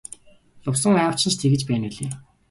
Лувсан аав чинь ч тэгж байна билээ.